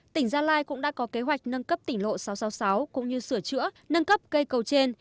tỉnh gia lai cũng đã có kế hoạch nâng cấp tỉnh lộ sáu trăm sáu mươi sáu cũng như sửa chữa nâng cấp cây cầu trên